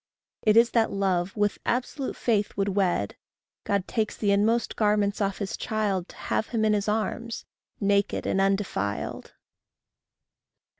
It is that love with absolute faith would wed; God takes the inmost garments off his child, To have him in his arms, naked and undefiled.